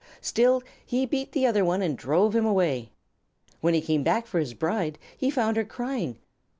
Still he beat the other one and drove him away. When he came back for his bride he found her crying.